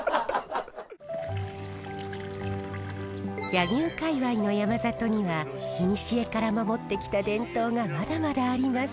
柳生界わいの山里にはいにしえから守ってきた伝統がまだまだあります。